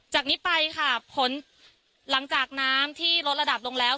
จากนี้ไปค่ะผลหลังจากน้ำที่ลดระดับลงแล้ว